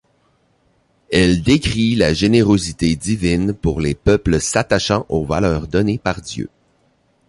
Elle décrit la générosité divine pour les peuples s'attachant aux valeurs données par Dieu.